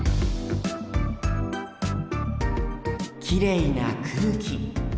きれいな空気。